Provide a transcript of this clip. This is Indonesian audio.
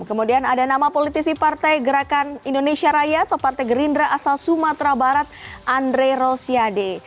kemudian ada nama politisi partai gerakan indonesia raya atau partai gerindra asal sumatera barat andre rosiade